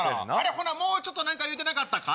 ほなもうちょっと何か言うてなかったか？